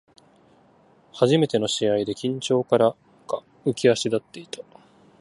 初めての試合で緊張からか浮き足立っていた